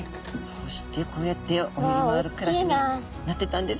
そうしてこうやって泳ぎ回る暮らしになってったんですね。